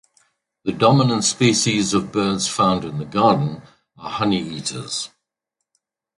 The dominant species of birds found in the Garden are honeyeaters.